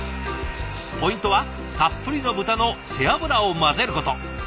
ポイントはたっぷりの豚の背脂を混ぜること。